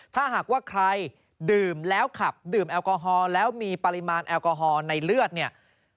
ถ้าหากว่าใครดื่มแล้วขับดื่มแอลกอฮอล์แล้วมีปริมาณแอลกอฮอล์ในเลือดเนี่ย